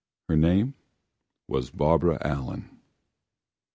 Her name was Barbara Allen.